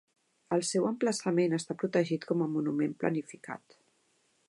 El seu emplaçament està protegit com a monument planificat.